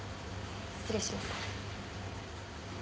失礼します。